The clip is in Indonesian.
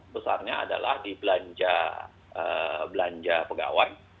besarnya adalah di belanja pegawai